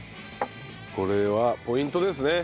これはポイントですね。